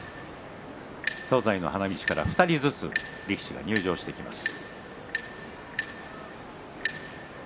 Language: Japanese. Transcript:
東西の花道から２人ずつ力士が入場してきます。